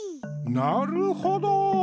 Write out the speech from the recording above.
なるほど！